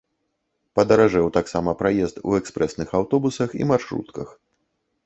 Падаражэў таксама праезд у экспрэсных аўтобусах і маршрутках.